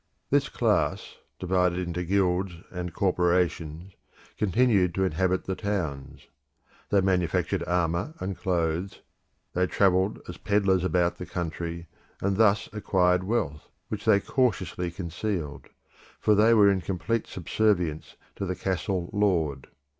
This class, divided into guilds and corporations, continued to inhabit the towns: they manufactured armour and clothes they travelled as pedlars about the country, and thus acquired wealth, which they cautiously concealed, for they were in complete subservience to the castle lord.